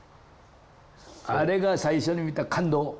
あれが最初に見た感動。